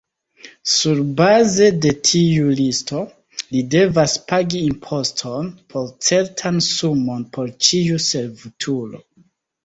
Surbaze de tiu listo, li devas pagi imposton, po certan sumon por ĉiu servutulo.